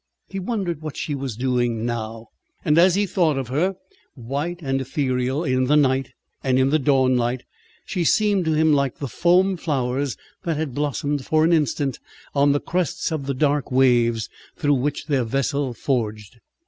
He wondered what she was doing now; and as he thought of her, white and ethereal in the night and in the dawn light, she seemed to him like the foam flowers that had blossomed for an instant on the crests of dark waves, through which their vessel forged.